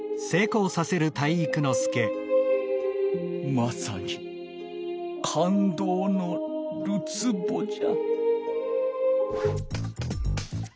まさにかんどうのるつぼじゃ。